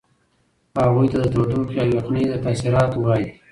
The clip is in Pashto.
هغوی ته د تودوخې او یخنۍ د تاثیراتو وایئ.